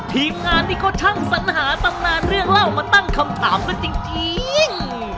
ทีมงานนี่เขาช่างสัญหาตำนานเรื่องเล่ามาตั้งคำถามกันจริง